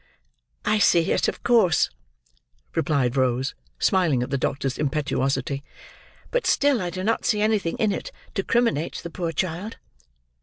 "I see it, of course," replied Rose, smiling at the doctor's impetuosity; "but still I do not see anything in it, to criminate the poor child."